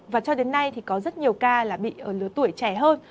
và cho đến nay thì có rất nhiều ca là bị ở lứa tuổi trẻ hơn